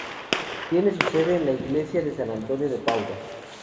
Tiene su sede en la iglesia de San Antonio de Padua.